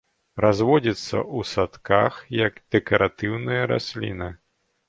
Разводзіцца ў садках як дэкаратыўная расліна.